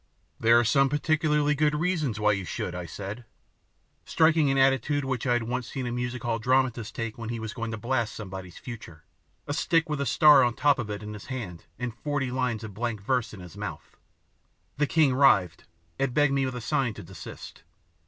"There are some particularly good reasons why you should," I said, striking an attitude which I had once seen a music hall dramatist take when he was going to blast somebody's future a stick with a star on top of it in his hand and forty lines of blank verse in his mouth. The king writhed, and begged me with a sign to desist.